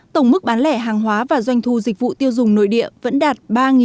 tổng mức bán lẻ hàng hóa và doanh thu dịch vụ tiêu dùng nội địa vẫn đạt